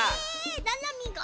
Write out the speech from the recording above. ななみが！？